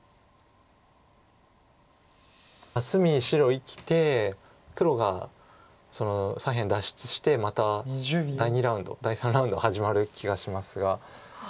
隅白生きて黒が左辺脱出してまた第２ラウンド第３ラウンド始まる気がしますが。